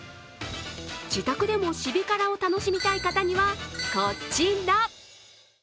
自宅でもシビ辛を楽しみたい方には、こちら。